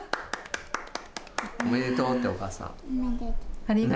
おめでとうって、お母さん。